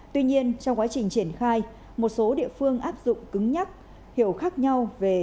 tuy nhiên trong quá trình triển khai một số địa phương áp dụng cứng nhắc hiểu khác nhau về